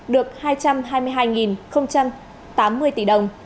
được hai trăm hai mươi hai tám mươi tỷ đồng